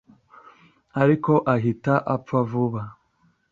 ariko ahita apfa vuba